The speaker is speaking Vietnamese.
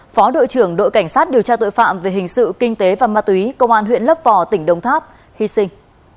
phó đội trưởng đội cảnh sát điều tra tội phạm về hình sự kinh tế và ma túy công an huyện lấp vò tỉnh đồng tháp hy sinh